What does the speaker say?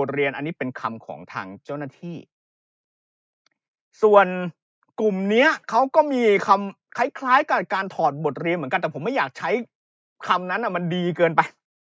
บทเรียนอันนี้เป็นคำของทางเจ้าหน้าที่ส่วนกลุ่มนี้เขาก็มีคำคล้ายกับการถอดบทเรียนเหมือนกันแต่ผมไม่อยากใช้คำนั้นมันดีเกินไป